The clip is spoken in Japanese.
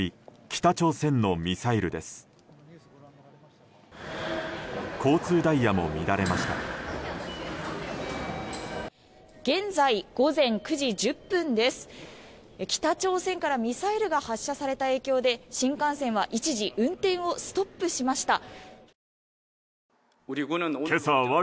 北朝鮮からミサイルが発射された影響で新幹線は一時運転をストップしました。